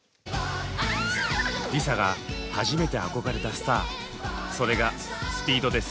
ＬｉＳＡが初めて憧れたスターそれがＳＰＥＥＤです。